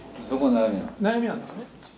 悩みなんですね。